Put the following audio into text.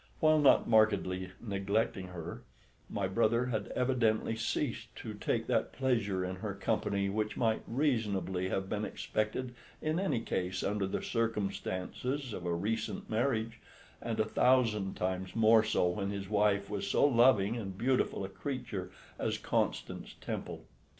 While not markedly neglecting her, my brother had evidently ceased to take that pleasure in her company which might reasonably have been expected in any case under the circumstances of a recent marriage, and a thousand times more so when his wife was so loving and beautiful a creature as Constance Temple.